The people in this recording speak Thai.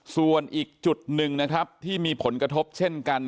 ส่วนอีกจุดหนึ่งนะครับที่มีผลกระทบเช่นกัน